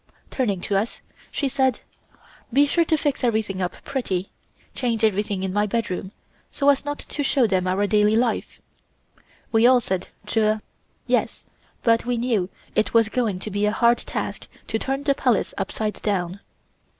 Turning to us she said: "Be sure and fix everything up pretty, change everything in my bedroom, so as not to show them our daily life." We all said "Jur" (yes), but we knew it was going to be a hard task to turn the Palace upside down.